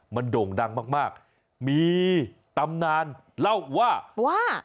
มันโด่งดังมากมากมีตำนานเล่าว่าว่า